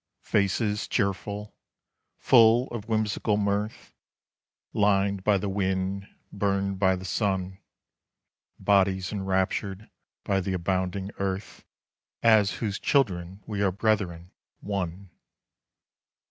Faces cheerful, full of whimsical mirth, Lined by the wind, burned by the sun; Bodies enraptured by the abounding earth, As whose children we are brethren: one.